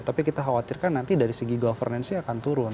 tapi kita khawatirkan nanti dari segi governance nya akan turun